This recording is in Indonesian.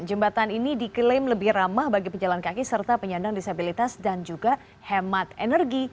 jembatan ini diklaim lebih ramah bagi pejalan kaki serta penyandang disabilitas dan juga hemat energi